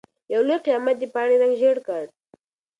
يو لوی قيامت د پاڼې رنګ ژېړ کړ.